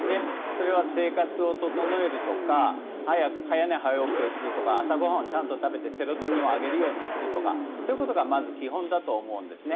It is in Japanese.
それは生活を整えるとか早寝早起きをするとか朝ご飯をちゃんと食べてセロトニンを上げるようにするとかそういうことがまず基本だと思うんですね。